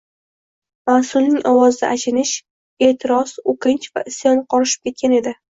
Mas’ulning ovozida achinish, e’tiroz, o‘kinch va isyon qorishib ketgan edi.